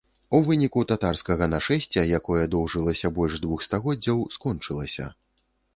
У выніку татарскага нашэсця, якое доўжылася больш двух стагоддзяў, скончылася.